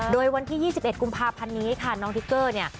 โดยวันที่๒๑กุมภาพันธ์นี้ค่ะน้องทิกเกอร์เนี่ย